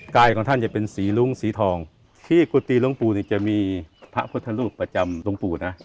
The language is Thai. ของท่านจะเป็นสีรุ้งสีทองที่กุฏิหลวงปู่นี่จะมีพระพุทธรูปประจำองค์ปู่นะ